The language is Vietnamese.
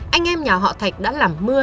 anh em nhà họ thạch đã làm mưa